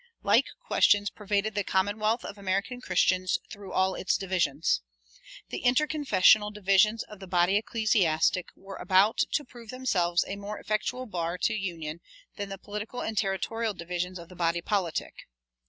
Like questions pervaded the commonwealth of American Christians through all its divisions. The interconfessional divisions of the body ecclesiastic were about to prove themselves a more effectual bar to union than the political and territorial divisions of the body politic.